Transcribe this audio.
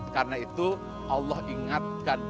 karena itu allah ingatkan